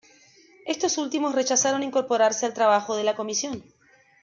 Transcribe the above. Estos últimos rechazaron incorporarse al trabajo de la comisión.